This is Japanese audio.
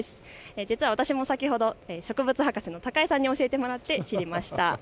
実は私も先ほど植物博士の高井さんに教えてもらって知りました。